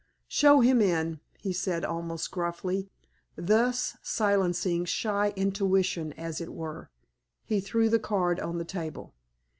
"Show him in," he said, almost gruffly, thus silencing shy intuition, as it were. He threw the card on the table.